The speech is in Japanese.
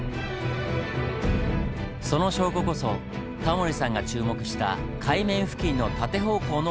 その証拠こそタモリさんが注目した海面付近の縦方向の割れ目。